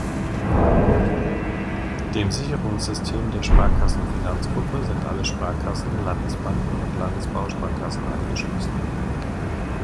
Dem Sicherungssystem der Sparkassen-Finanzgruppe sind alle Sparkassen, Landesbanken und Landesbausparkassen angeschlossen.